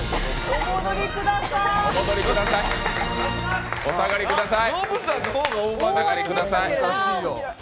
お戻りください、お下がりください。